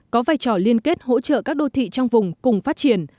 có vai trò liên kết hỗ trợ các đô thị trong vùng cùng phát triển